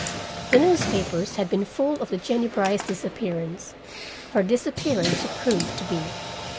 The newspapers had been full of the Jennie Brice disappearance. For disappearance it proved to be.